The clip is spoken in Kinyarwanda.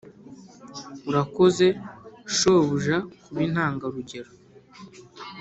urakoze shobuja… kuba intangarugero.